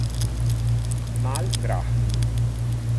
Mal Graham